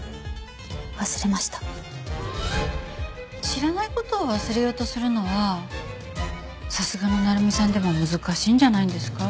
知らない事を忘れようとするのはさすがの成実さんでも難しいんじゃないんですか？